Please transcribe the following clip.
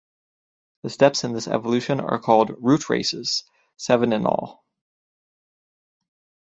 The steps in this evolution are called "rootraces", seven in all.